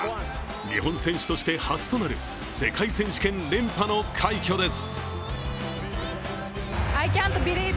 日本選手として初となる世界選手権連覇の快挙を達成です。